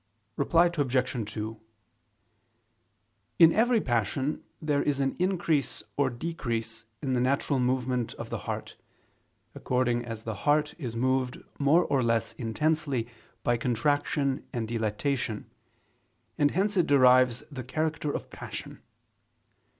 Reply Obj. 2: In every passion there is an increase or decrease in the natural movement of the heart, according as the heart is moved more or less intensely by contraction and dilatation; and hence it derives the character of passion.